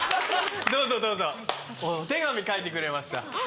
どうぞどうぞお手紙書いてくれました。